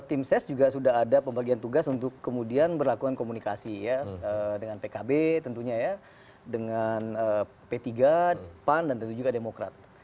tim ses juga sudah ada pembagian tugas untuk kemudian berlakuan komunikasi ya dengan pkb tentunya ya dengan p tiga pan dan tentu juga demokrat